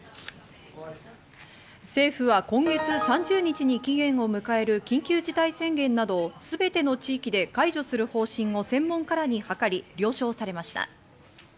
政府は今月３０日に期限を迎える緊急事態宣言など、すべての地域で解除する方針を専門家らに諮り、了承されました。